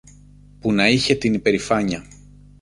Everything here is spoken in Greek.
που να είχε την υπερηφάνεια